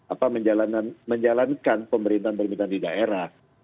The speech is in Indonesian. apa menjalankan pemerintahan pemerintahan di daerah